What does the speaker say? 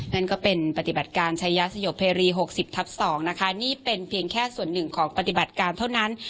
นั่นก็เป็นปฏิบัติการชายาสยบเพรี๖๐ทับ๒นะคะนี่เป็นเพียงแค่ส่วนหนึ่งของปฏิบัติการเท่านั้น